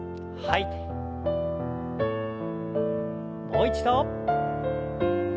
もう一度。